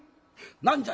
「何じゃ？